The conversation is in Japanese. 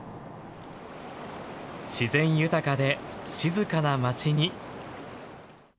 自然豊かで、静かな町に。